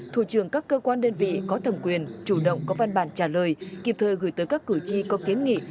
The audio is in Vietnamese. thủ trường các cơ quan đơn vị có thẩm quyền chủ động có văn bản trả lời kịp thời gửi tới các cử tri có kiến nghị